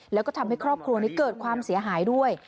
แล้วก็ทำให้ครอบครัวนี้เกิดความเสียหายด้วย